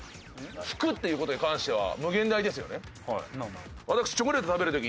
拭くっていう事に関しては無限大ですよね？